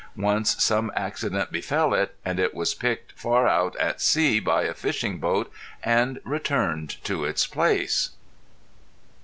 Once some accident befell it and it was picked far out at sea by a fishing boat and returned to its place.